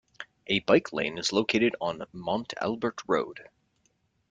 A bike lane is located on Mont Albert Road.